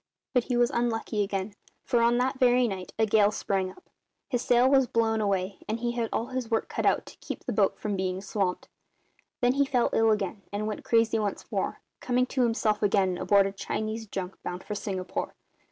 "But he was unlucky again, for on that very night a gale sprang up, his sail was blown away, and he had all his work cut out to keep the boat from being swamped. Then he fell ill again and went crazy once more, coming to himself again aboard a Chinese junk bound for Singapore.